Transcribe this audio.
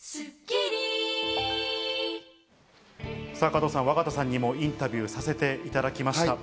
加藤さん、若田さんにもインタビューさせていただきました。